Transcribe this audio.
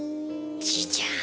じいちゃん。